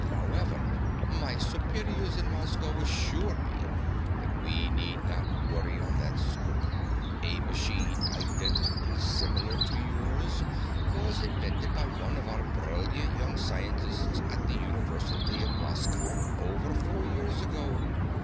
However, my superiors in Moscow assure me that we need not worry on that score; a machine identically similar to yours was invented by one of our brilliant young scientists at the University of Moscow over four years ago.